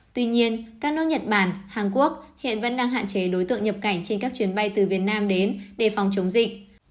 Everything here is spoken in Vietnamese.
tuy nhiên các nước nhật bản hàn quốc hiện vẫn đang hạn chế đối tượng nhập cảnh trên các chuyến bay từ việt nam đến để phòng chống dịch